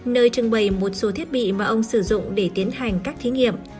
nơi trưng bày một số thiết bị mà ông sử dụng để tiến hành các thí nghiệm